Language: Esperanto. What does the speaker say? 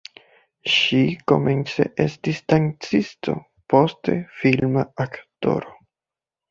Ŝi komence estis dancisto, poste filma aktoro.